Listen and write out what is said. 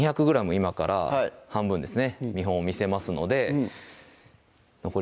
今から半分ですね見本を見せますので残り